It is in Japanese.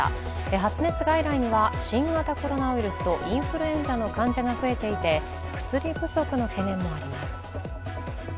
発熱外来には新型コロナウイルスとインフルエンザの患者が増えていて薬不足の懸念もあります。